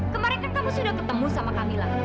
kemarin kan kamu sudah ketemu sama camilla